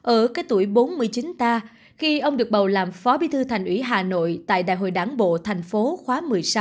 ở cái tuổi bốn mươi chín ta khi ông được bầu làm phó bí thư thành ủy hà nội tại đại hội đảng bộ thành phố khóa một mươi sáu